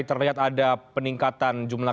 terlihat ada peningkatan jumlah